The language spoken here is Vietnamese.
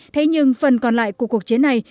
thế nhưng phần còn lại của cuộc chiến này